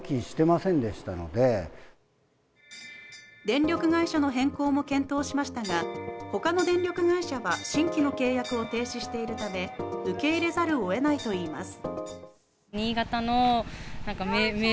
電力会社の変更も検討しましたが他の電力会社は新規の契約を停止しているため受け入れざるをえないといいます。